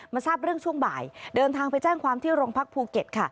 ทราบเรื่องช่วงบ่ายเดินทางไปแจ้งความที่โรงพักภูเก็ตค่ะ